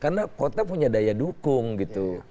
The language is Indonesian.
karena kota punya daya dukung gitu